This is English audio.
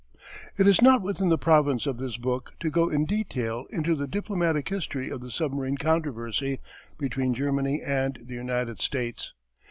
It is not within the province of this book to go in detail into the diplomatic history of the submarine controversy between Germany and the United States.